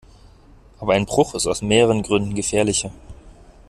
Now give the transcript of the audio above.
Aber ein Bruch ist aus mehreren Gründen gefährlicher.